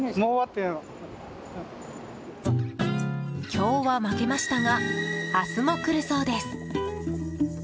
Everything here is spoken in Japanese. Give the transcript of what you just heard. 今日は負けましたが明日も来るそうです。